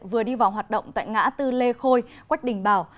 vừa đi vào hoạt động tại ngã tư lê khôi quách đình bảo